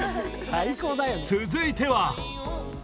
続いては。